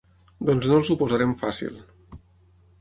Doncs no els ho posarem fàcil.